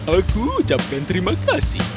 aku ucapkan terima kasih